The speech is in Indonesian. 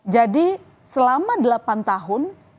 jadi selama delapan tahun